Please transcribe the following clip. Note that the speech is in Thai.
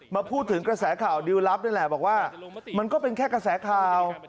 มาพูดถึงกระแสข่าวดิวลลับนี่แหละบอกว่ามันก็เป็นแค่กระแสข่าว